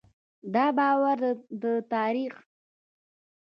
دا باور د تاریخ له پیله تر ننه ژوندی دی.